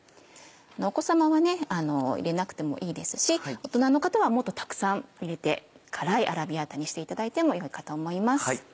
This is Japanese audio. お子様は入れなくてもいいですし大人の方はもっとたくさん入れて辛いアラビアータにしていただいてもよいかと思います。